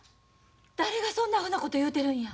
誰がそんなふうなこと言うてるんや？